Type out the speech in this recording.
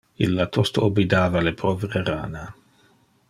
Illa tosto oblidava le povre rana.